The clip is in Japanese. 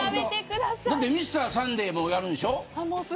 だって、Ｍｒ．サンデーもやるんでしょ。